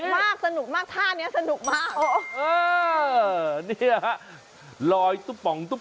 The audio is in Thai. สนุกมากชาตินี้สนุกมาก